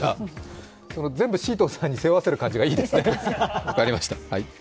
全部シートンさんに背負わせる感じがいいですね、分かりました。